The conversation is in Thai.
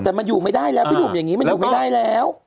แต่มันอยู่ไม่ได้แล้วพี่หนุ่มอย่างนี้มันอยู่ไม่ได้แล้ว